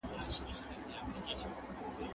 مګر پام کوئ چې اوبه ژورې دي.